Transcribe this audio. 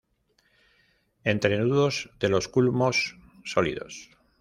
Entrenudos de los culmos sólidos.